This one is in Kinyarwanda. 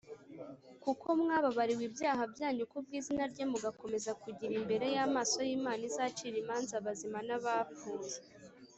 kuko mwababariwe ibyaha byanyu ku bw izina rye mugakomeza kugira imbere y’amaso y’Imana izacira imanza abazima n’abapfuye.